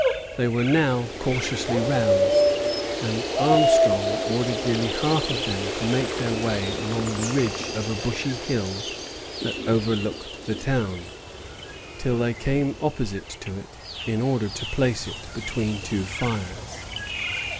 They were now cautiously roused; and Armstrong ordered nearly half of them to make their way along the ridge of a bushy hill that overlooked the town, till they came opposite to it, in order to place it between two fires.